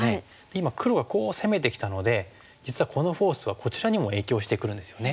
今黒がこう攻めてきたので実はこのフォースはこちらにも影響してくるんですよね。